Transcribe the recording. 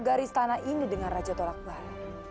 garis tanah ini dengan raja tolakbar